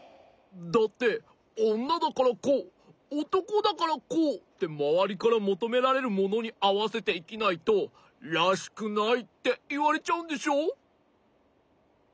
だっておんなだからこうおとこだからこうってまわりからもとめられるものにあわせていきないと「らしくない！」っていわれちゃうんでしょ？